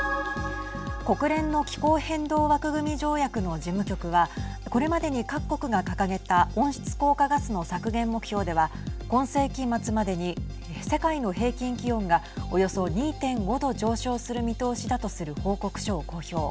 国連の気候変動枠組み条約の事務局はこれまでに各国が掲げた温室効果ガスの削減目標では今世紀末までに世界の平均気温がおよそ２．５度上昇する見通しだとする報告書を公表。